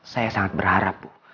saya sangat berharap bu